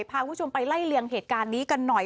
พาคุณผู้ชมไปไล่เลี่ยงเหตุการณ์นี้กันหน่อย